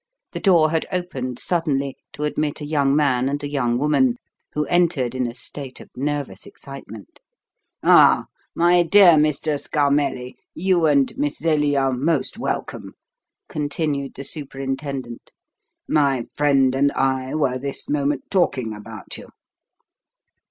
The door had opened suddenly to admit a young man and a young woman, who entered in a state of nervous excitement. "Ah, my dear Mr. Scarmelli, you and Miss Zelie are most welcome," continued the superintendent. "My friend and I were this moment talking about you."